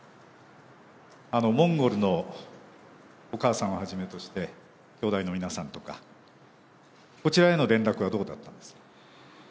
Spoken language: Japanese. モンゴルのお母様をはじめとして、きょうだいの皆さんとか、こちらへの連絡はどうだったんですか？